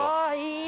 いい！